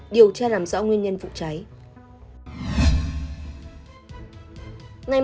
điều tra rảm rõ nguyên nhân vụ cháy